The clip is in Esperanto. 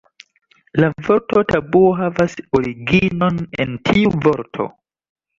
La vorto tabuo havas originon en tiu vorto.